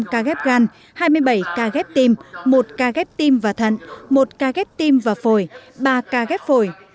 một trăm linh năm ca ghép gan hai mươi bảy ca ghép tim một ca ghép tim và thận một ca ghép tim và phổi ba ca ghép phổi